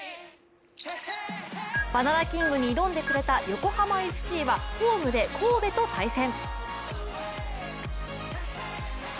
バナナＫＩＮＧに挑んでくれた横浜ＦＣはホームで神戸と対戦。